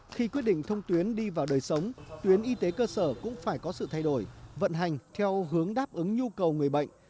khi quyết định thông tuyến đi vào đời sống tuyến y tế cơ sở cũng phải có sự thay đổi vận hành theo hướng đáp ứng nhu cầu người bệnh